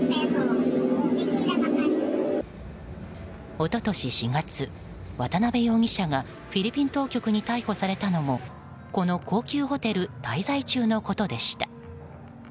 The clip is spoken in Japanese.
一昨年４月、渡辺容疑者がフィリピン当局に逮捕されたのもこの高級ホテル滞在中のことでした。